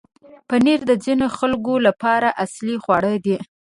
پنېر د ځینو خلکو لپاره اصلي خواړه دی.